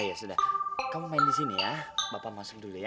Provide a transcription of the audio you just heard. iya sudah kamu main di sini ya bapak masuk dulu ya